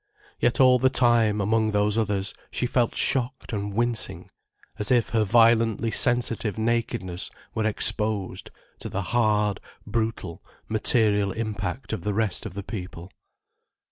Yet all the time, among those others, she felt shocked and wincing, as if her violently sensitive nakedness were exposed to the hard, brutal, material impact of the rest of the people.